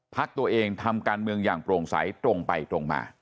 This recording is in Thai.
ตัวเองทำการเมืองอย่างโปร่งใสตรงไปตรงมา